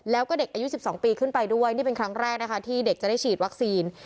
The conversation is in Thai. แล้วก็เด็กอายุ๑๒ปีขึ้นไปด้วยนี่เป็นครั้งแรกนะคะที่เด็กจะได้ฉีดวัคซีน